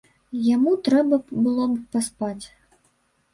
Яму трэба было б паспаць.